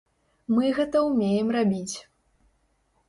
Мы гэта ўмеем рабіць.